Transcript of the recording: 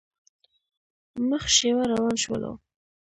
مخ شېوه روان شولو.